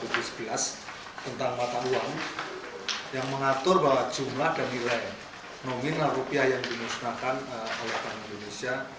tentang mata uang yang mengatur bahwa jumlah dan nilai nominal rupiah yang dimusnahkan oleh bank indonesia